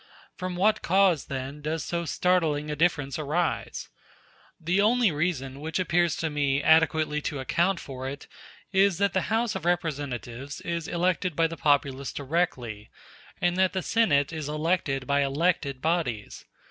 From what cause, then, does so startling a difference arise? The only reason which appears to me adequately to account for it is, that the House of Representatives is elected by the populace directly, and that the Senate is elected by elected bodies.